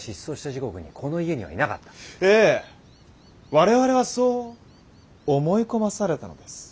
我々はそう思い込まされたのです。